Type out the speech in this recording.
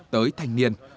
bốn tới thanh niên